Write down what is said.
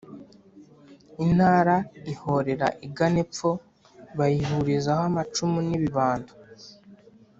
Intara ihorera igana epfo, bayihurizaho amacumu n' ibibando